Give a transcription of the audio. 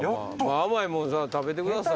甘いもの食べてください。